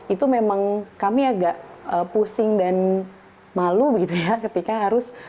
itu memang kami agak pusing dan malu begitu ya ketika harus